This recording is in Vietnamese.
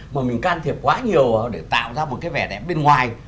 mình có thể can thiệp quá nhiều để tạo ra một cái vẻ đẹp bên ngoài